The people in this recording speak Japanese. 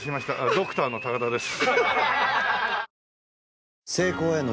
ドクターの高田です。